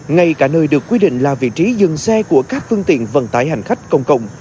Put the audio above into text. ngay cả nơi được quy định là vị trí dừng xe của các phương tiện vận tải hành khách công cộng